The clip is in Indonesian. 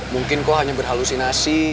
mungkin kau hanya berhalusinasi